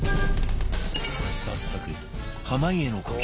早速濱家の故郷